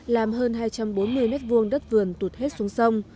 làm hơn hai trăm bốn mươi mét vuông đất vườn tụt hết xuống sông